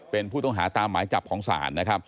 เป็นผู้ต้องหาตามหมายจับของศาล